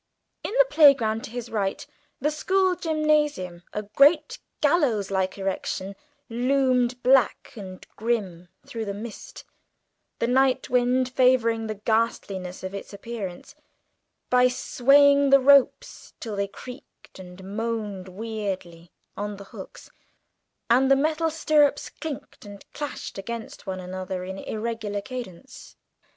In the playground to his right the school gymnasium, a great gallows like erection, loomed black and grim through the mist, the night wind favouring the ghastliness of its appearance by swaying the ropes till they creaked and moaned weirdly on the hooks, and the metal stirrups clinked and clashed against one another in irregular cadence.